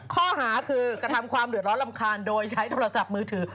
ข้อหาคือกระทำความเดือดร้อนรำคาญโดยใช้โทรศัพท์มือถือ